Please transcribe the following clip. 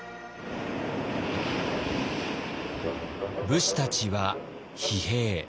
武士たちは疲弊。